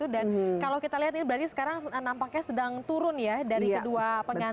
dan kalau kita lihat ini berarti sekarang nampaknya sedang turun ya dari kedua pengantin